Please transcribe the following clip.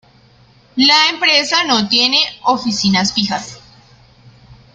La empresa no tiene oficinas fijas.